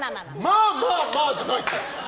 まあまあまあじゃないから！